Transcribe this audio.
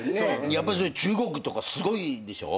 やっぱ中国とかすごいでしょ。